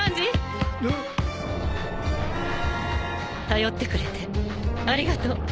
頼ってくれてありがとう。